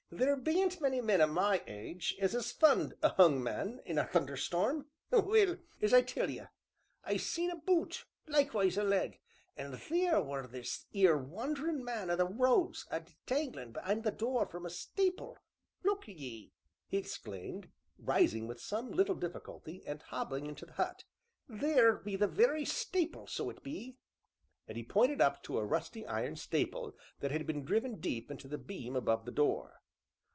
"Theer bean't many men o' my age as 'as fund a 'ung man in a thunderstorm! Well, as I tell ye, I seen a boot, likewise a leg, an' theer were this 'ere wanderin' man o' the roads a danglin' be'ind th' door from a stapil look ye!" he exclaimed, rising with some little difficulty, and hobbling into the hut, "theer be th' very stapil, so it be!" and he pointed up to a rusty iron staple that had been driven deep into the beam above the door.